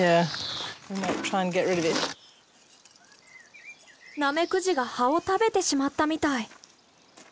ナメクジが葉を食べてしまったみたい。